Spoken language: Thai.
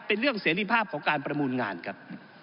เป็นเรื่องเสรีภาพของการประมูลงานครับ